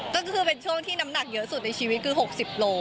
ก็คือเป็นช่วงที่น้ำหนักเยอะสุดในชีวิตคือ๖๐โล